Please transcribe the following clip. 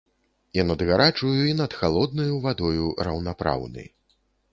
І над гарачаю і над халоднаю вадою раўнапраўны.